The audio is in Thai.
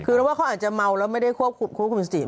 คือว่าเขาอาจจะเมาแล้วไม่ได้ควบคุมควบคุมเสียง